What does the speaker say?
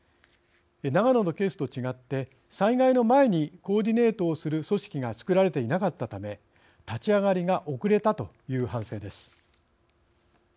長野のケースと違って災害の前にコーディネートをする組織が作られていなかったため立ち上がりが遅れたという反省です。